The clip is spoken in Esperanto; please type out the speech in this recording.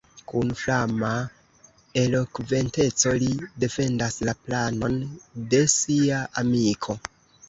Kun flama elokventeco li defendas la planon de sia amiko.